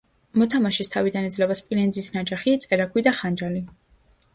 მოთამაშეს თავიდან ეძლევა სპილენძის ნაჯახი, წერაქვი და ხანჯალი.